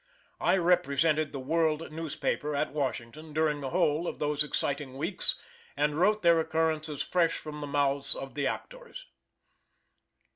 I represented the World newspaper at Washington during the whole of those exciting weeks, and wrote their occurrences fresh from the mouths of the actors.